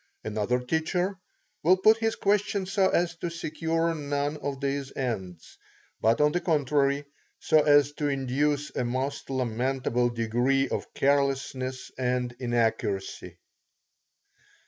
Another teacher will put his questions so as to secure none of these ends, but on the contrary so as to induce a most lamentable degree of carelessness and inaccuracy.